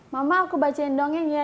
mama aku bacain dongeng ya